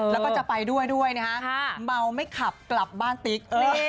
แล้วก็จะไปด้วยนะครับเม้าไม่ขับกลับบ้านติ๊ก